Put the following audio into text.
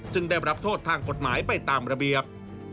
ซึ่งได้รับโทษทางกฎหมายไปตามระเบียบ